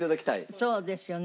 そうですよね。